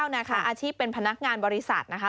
นะคะอาชีพเป็นพนักงานบริษัทนะคะ